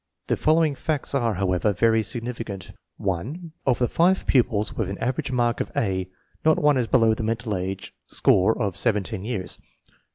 The following facts are, however, very significant: 1. Of the 5 pupils with an average mark of A, not one is below the mental age score of 17 years..